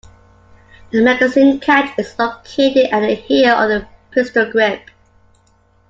The magazine catch is located at the heel of the pistol grip.